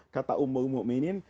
kata ummul mu'minin